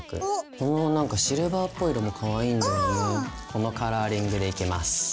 このカラーリングでいきます。